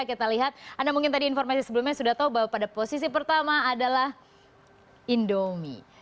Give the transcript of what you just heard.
kita lihat anda mungkin tadi informasi sebelumnya sudah tahu bahwa pada posisi pertama adalah indomie